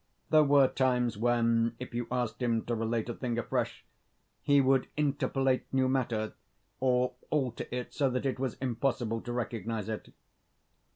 There were times when, if you asked him to relate a thing afresh, he would interpolate new matter, or alter it so that it was impossible to recognise it.